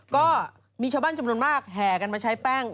ก็มีชาวบ้านจำนวนมากแห่กันมาใช้แป้ง